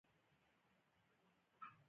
نور دلته اوسېدل پایده نه لري.